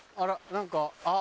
何か。